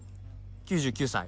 ９９歳？